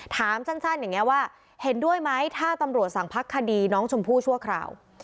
ถามสั้นอย่างนี้ว่าเห็นด้วยไหมถ้าตำรวจสั่งพักคดีน้องชมพู่ชั่วคราว